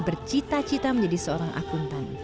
bercita cita menjadi seorang akuntan